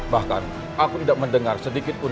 bahkan aku tidak mendengar sedikitpun